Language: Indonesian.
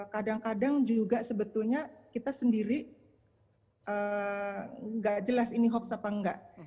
kadang kadang juga sebetulnya kita sendiri nggak jelas ini hoax apa enggak